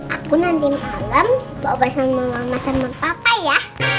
aku nanti malam bawa bawa sama mama sama papa ya